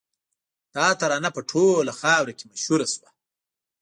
دا ترانه په ټوله خاوره کې مشهوره شوه